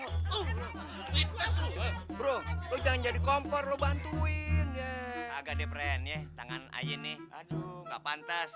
bro lu jangan jadi kompor lu bantuin ya agak depresi tangan ini aduh nggak pantas